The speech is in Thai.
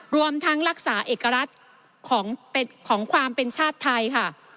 รวมทั้งรักษาเอกลักษณ์ของความเป็นชาติไทยค่ะ